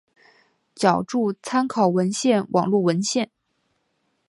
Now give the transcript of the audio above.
脚注参考文献网络文献